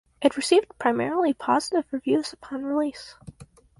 It received primarily positive reviews upon release.